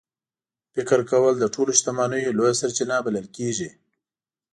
فکر کول د ټولو شتمنیو لویه سرچینه بلل کېږي.